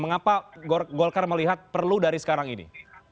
mengapa golkar melihat perlu dari sekarang ini